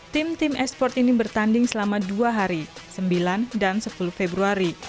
tim tim e sport ini bertanding selama dua hari sembilan dan sepuluh februari